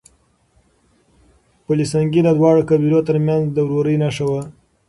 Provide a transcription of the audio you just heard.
پل سنګي د دواړو قبيلو ترمنځ د ورورۍ نښه وه.